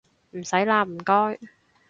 唔使喇唔該